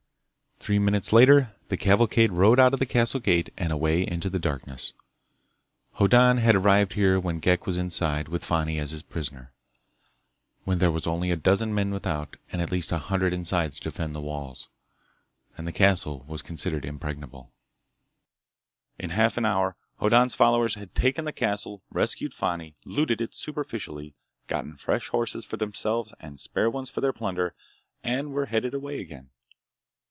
Three minutes later the cavalcade rode out of the castle gate and away into the darkness. Hoddan had arrived here when Ghek was inside with Fani as his prisoner, when there were only a dozen men without and at least a hundred inside to defend the walls. And the castle was considered impregnable. In half an hour Hoddan's followers had taken the castle, rescued Fani, looted it superficially, gotten fresh horses for themselves and spare ones for their plunder, and were headed away again.